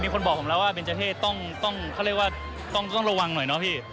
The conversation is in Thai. คนบอกผมแล้วว่าเบนเจอร์เท่ต้องเขาเรียกว่าต้องระวังหน่อยเนาะพี่